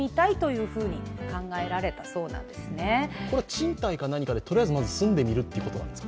賃貸か何かでとりあえず住んでみるということですか？